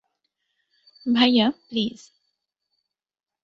ভাইয়া, প্লিজ।